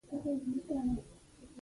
پیاز د خولې بوی خرابولی شي